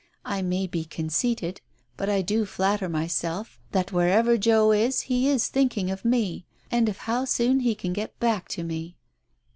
I may be conceited, but I do flatter myself, that wherever Joe is, he is thinking of me, and of how soon he can get back to me."